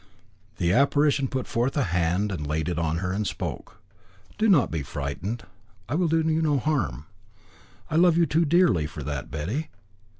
] The apparition put forth a hand and laid it on her and spoke: "Do not be frightened. I will do you no harm. I love you too dearly for that, Betty.